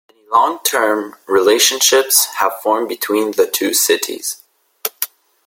Many long term relationships have formed between the two cities.